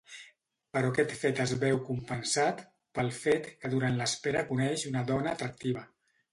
Però aquest fet es veu compensat pel fet que durant l'espera coneix una dona atractiva.